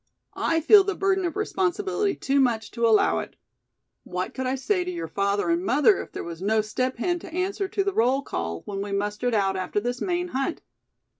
I feel the burden of responsibility too much to allow it. What could I say to your father and mother if there was no Step Hen to answer to the roll call, when we mustered out after this Maine hunt?